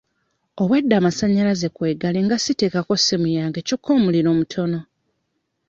Obwedda amasannyalaze kwegali nga siteekako ssimu yange kyokka omuliro mutono.